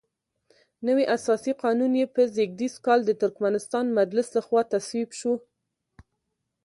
نوی اساسي قانون یې په زېږدیز کال د ترکمنستان مجلس لخوا تصویب شو.